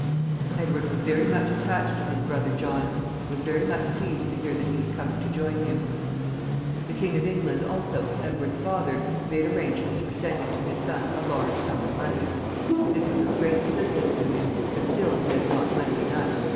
Edward was very much attached to his brother John, and was very much pleased to hear that he was coming to join him. The King of England also, Edward's father, made arrangements for sending to his son a large sum of money. This was of great assistance to him, but still he had not money enough.